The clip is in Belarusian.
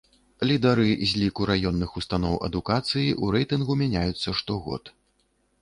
Лідары з ліку раённых устаноў адукацыі ў рэйтынгу мяняюцца штогод.